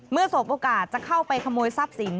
สบโอกาสจะเข้าไปขโมยทรัพย์สิน